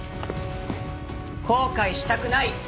後悔したくない！